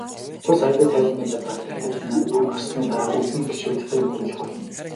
Тус аяны тайлангийн задаргааг дахин хянаад, он гарсны дараа бүлгийн гишүүддээ мэдээлэх болно.